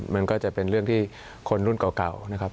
มันก็จะเป็นเรื่องที่คนรุ่นเก่านะครับ